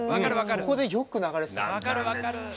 そこでよく流れてた。